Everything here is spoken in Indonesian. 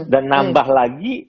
dan nambah lagi